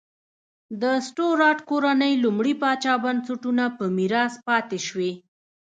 د سټورات کورنۍ لومړي پاچا بنسټونه په میراث پاتې شوې.